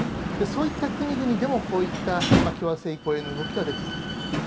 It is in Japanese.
そういった国々でもこういった共和制移行への動きは出てきている。